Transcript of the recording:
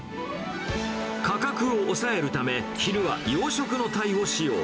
価格を抑えるため、昼は養殖のタイを使用。